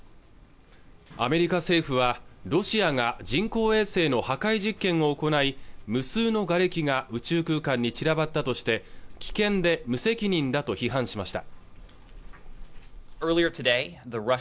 アメリカ政府はロシアが人工衛星の破壊実験を行い無数のがれきが宇宙空間に散らばったとして危険で無責任だと批判しました